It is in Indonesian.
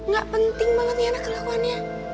gak penting banget nih anak kelakuannya